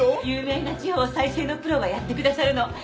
有名な地方再生のプロがやってくださるの